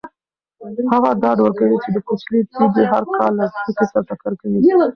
هغه ډاډ ورکوي چې کوچنۍ تیږې هر کال له ځمکې سره ټکر کوي.